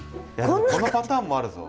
このパターンもあるぞ。